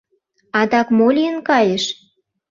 — Адак мо лийын кайыш?»